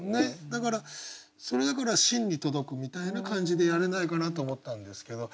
だからそれだからしんに届くみたいな感じでやれないかなと思ったんですけど